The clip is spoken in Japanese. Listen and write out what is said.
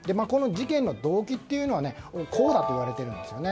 この事件の動機はこうだといわれています。